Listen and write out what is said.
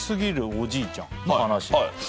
おじいちゃんの話。